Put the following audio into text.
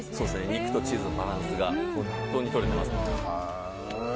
肉とチーズのバランスが本当にとれています。